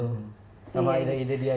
sama ada ide dia juga